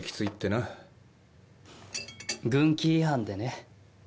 ふっ軍規違反でね。